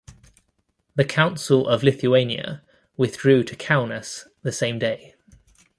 The Council of Lithuania withdrew to Kaunas the same day.